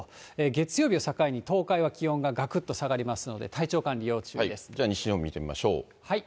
月曜日を境に東海は気温ががくっと下がりますので、体調管理要注じゃあ、西日本見てみましょう。